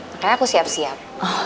makanya aku siap siap